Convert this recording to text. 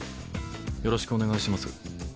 よろしくお願いします